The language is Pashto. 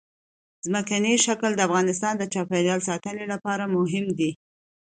ځمکنی شکل د افغانستان د چاپیریال ساتنې لپاره مهم دي.